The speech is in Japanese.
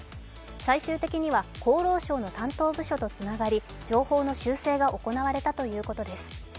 最終的には厚労省の担当部署とつながり情報の修正が行われたということです。